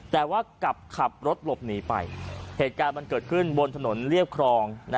แต่ว่ากลับขับรถหลบหนีไปเหตุการณ์มันเกิดขึ้นบนถนนเรียบครอง